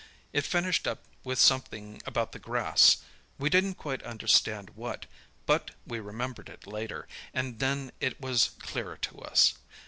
It finished up with something about the grass; we didn't quite understand what; but we remembered it later, and then it was clearer to us.